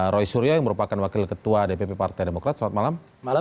roy suryo yang merupakan wakil ketua dpp partai demokrat selamat malam